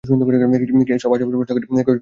কি এসব আজেবাজে প্রশ্ন করছেন, ফেজি বাবু?